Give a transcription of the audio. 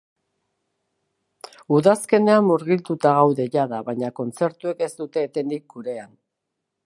Udazkenean murgilduta gaude jada, baina kontzertuek ez dute etenik gurean.